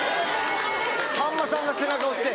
さんまさんが背中押して。